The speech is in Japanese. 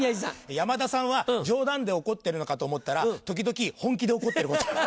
山田さんは冗談で怒ってるのかと思ったら時々本気で怒ってること。